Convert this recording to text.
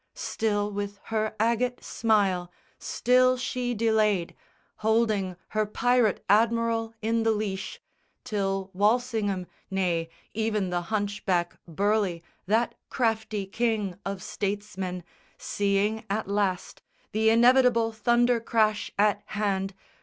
Still with her agate smile, still she delayed, Holding her pirate admiral in the leash Till Walsingham, nay, even the hunchback Burleigh, That crafty king of statesmen, seeing at last The inevitable thunder crash at hand.